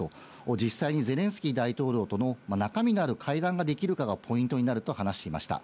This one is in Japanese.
実際にゼレンスキー大統領との中身のある会談ができるかがポイントになると話していました。